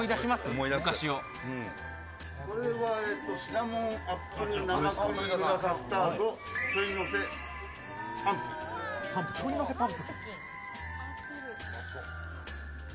これはシナモンアップル生クリームカスタードちょいのせパンプキン。